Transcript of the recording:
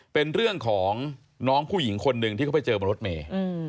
เป็นเรื่องของน้องผู้หญิงคนหนึ่งที่เขาไปเจอบนรถเมย์